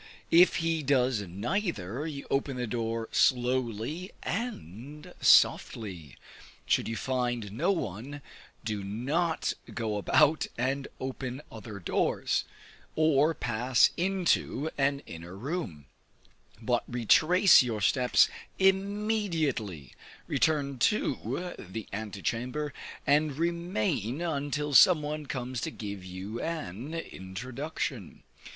If he does neither, you open the door slowly and softly: should you find no one, do not go about and open other doors, or pass into an inner room, but retrace your steps immediately, return to the ante room, and remain until some one comes to give you an introduction.